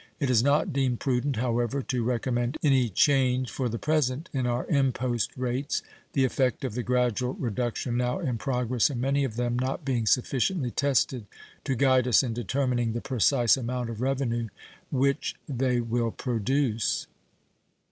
It is not deemed prudent, however, to recommend any change for the present in our impost rates, the effect of the gradual reduction now in progress in many of them not being sufficiently tested to guide us in determining the precise amount of revenue which they will produce.